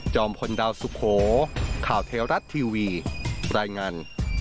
พลดาวสุโขข่าวเทวรัฐทีวีรายงาน